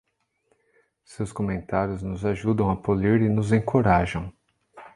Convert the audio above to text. Seus comentários nos ajudam a polir e nos encorajam.